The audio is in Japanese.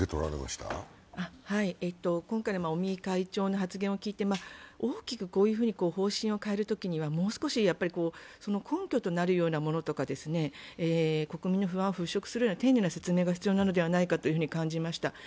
今回の尾身会長の発言を聞いて大きくこういうふうに方針を変えるときには、もう少しその根拠となるものとか、国民の不安を払拭するような丁寧な説明が必要なのではないかと思いました。